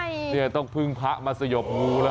เนี่ยต้องพึ่งพระมาสยบงูแล้ว